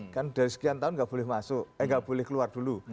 kan dari sekian tahun nggak boleh masuk eh nggak boleh keluar dulu